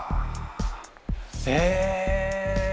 え。